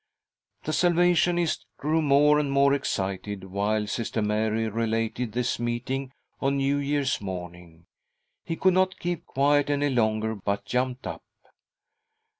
The Salvationist grew more and more excited while Sister Mary related this meeting on New Year's morning. He could not keep quiet any longer, but jumped up.